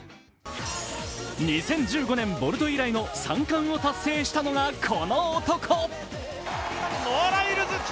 ２０１５年ボルト以来の３冠を達成したのがこの男。